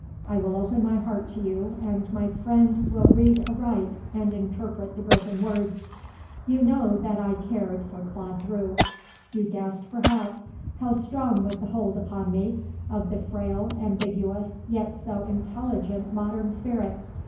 I will open my heart to you and my friend will read aright and interpret the broken words. You know that I cared for Claude Drew; you guessed perhaps how strong was the hold upon me of the frail, ambiguous, yet so intelligent modern spirit.